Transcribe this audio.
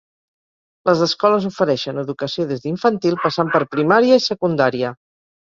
Les escoles ofereixen educació des d'infantil, passant per primària i secundària.